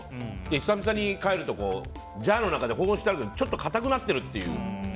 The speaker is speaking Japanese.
久々に帰るとジャーの中で保温してあるけどちょっと硬くなってるっていう。